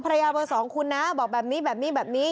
ภรรยาเบอร์สองคุณนะบอกแบบนี้